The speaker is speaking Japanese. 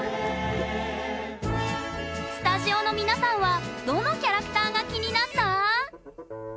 スタジオの皆さんはどのキャラクターが気になった？